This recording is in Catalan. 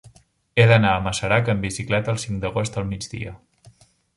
He d'anar a Masarac amb bicicleta el cinc d'agost al migdia.